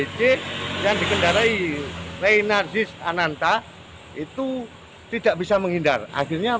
pengendara motor yang dikendarai reynard ziz ananta itu tidak bisa menghindar akhirnya pengendara motor yang dikendarai reynard ziz ananta itu tidak bisa menghindar akhirnya